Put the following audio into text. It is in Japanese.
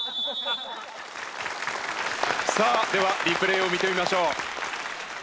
さあではリプレイを見てみましょう。